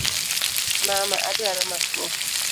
Mama, aduaro mafua